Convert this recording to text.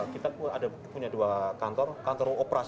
kita punya dua kantor